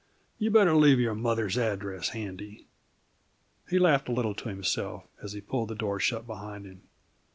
You better leave your mother's address handy." He laughed a little to himself as he pulled the door shut behind him.